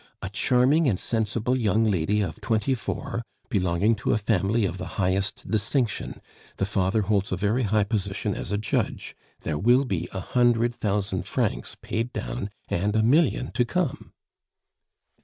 "A charming and sensible young lady of twenty four, belonging to a family of the highest distinction. The father holds a very high position as a judge; there will be a hundred thousand francs paid down and a million to come."